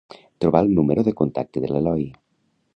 Trobar el número de contacte de l'Eloi.